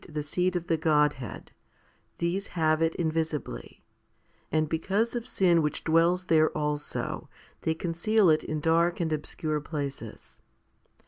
272 FIFTY SPIRITUAL HOMILIES the seed of the Godhead, these have it invisibly, and because of sin which dwells there also they conceal it in dark and obscure places.